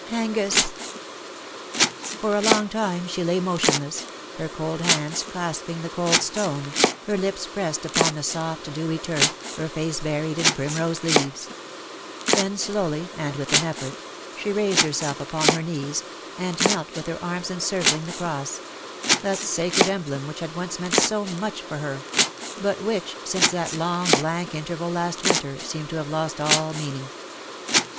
Angus V' For a long time she lay motionless, her cold hands clasping the cold stone^ her lips pressed upon the soft dewy turf, her face buried in primrose leaves — then slowly, and with an effort, she raised herself upon her knees, and knelt with her arms encircling the cross that sacred emblem which had once meant so much for her : but which, since that long blank interval last winter, seemed to have lost all meaning.